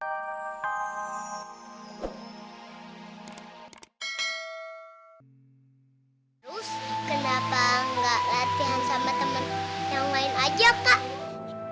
terus kenapa gak latihan sama temen yang lain aja kak